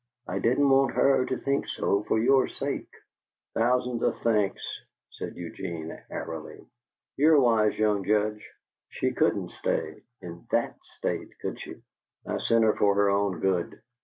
"I didn't want her to think so for your sake." "Thousands of thanks," said Eugene, airily. "You are a wise young judge. She couldn't stay in THAT state, could she? I sent her for her own good."